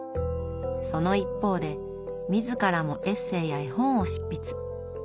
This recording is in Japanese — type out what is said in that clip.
その一方で自らもエッセーや絵本を執筆。